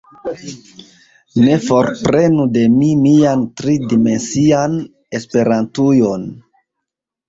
Ne forprenu de mi mian tri-dimensian Esperantujon!